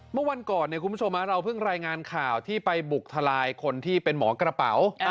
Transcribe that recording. เมื่อวันก่อนคุณผู้ชมเราเพิ่งรายงานข่าวที่ไปบุกทลายคนที่เป็นหมอกระเป๋า